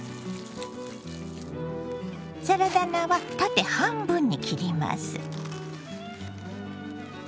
サラダ菜は縦半分に切ります。